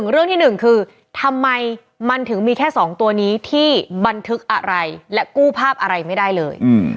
เรื่องที่๑คือทำไมมันถึงมีแค่๒ตัวนี้ที่บันทึกอะไรและกู้ภาพอะไรไม่ได้เลย